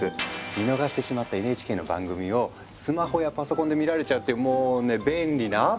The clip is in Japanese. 見逃してしまったＮＨＫの番組をスマホやパソコンで見られちゃうっていうもうね便利なアプリなんですよ！